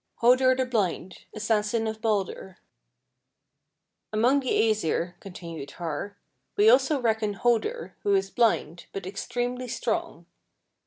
HODUR THE BLIND, ASSASSIN OF BALDUR 29. "Among the Æsir," continued Har, "we also reckon Hodur, who is blind, but extremely strong.